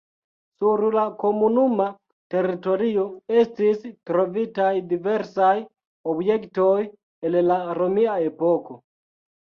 Sur la komunuma teritorio estis trovitaj diversaj objektoj el la romia epoko.